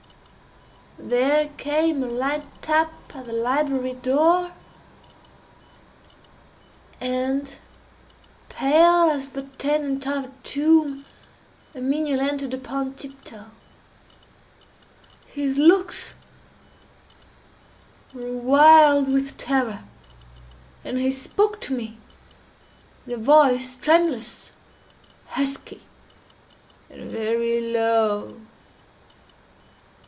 There came a light tap at the library door—and, pale as the tenant of a tomb, a menial entered upon tiptoe. His looks were wild with terror, and he spoke to me in a voice tremulous, husky, and very low.